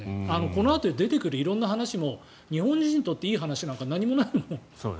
このあとで出てくる色んな話も日本人にとっていい話なんか何もないもん。